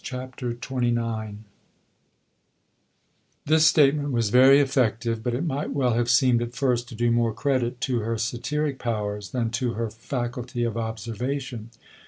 CHAPTER XXIX This statement was very effective, but it might well have seemed at first to do more credit to her satiric powers than to her faculty of observation.